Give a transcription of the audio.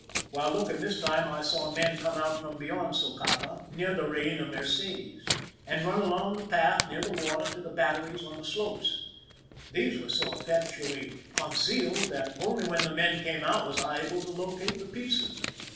While looking this time, I saw men come out from beyond Socapa, near the Beina Mercedes, and run along the path near the water to the batteries on the slopes. These were so effectually concealed that only when the men came out was I able to locate the pieces.